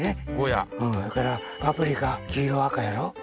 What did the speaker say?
それからパプリカ黄色赤？